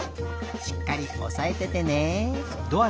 しっかりおさえててね。